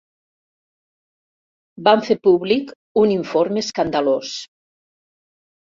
Van fer públic un informe escandalós.